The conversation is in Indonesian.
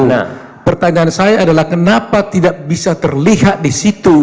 nah pertanyaan saya adalah kenapa tidak bisa terlihat di situ